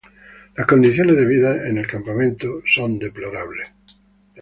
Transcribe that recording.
Las condiciones de vida en el campamento son deplorables.